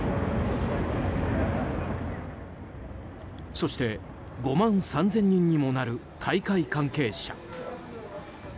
そして５万３０００人にもなる大会関係者。